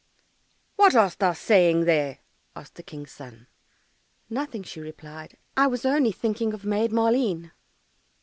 "What art thou saying there?" asked the King's son. "Nothing," she replied, "I was only thinking of Maid Maleen."